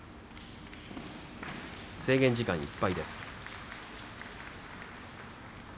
制限時間いっぱいです。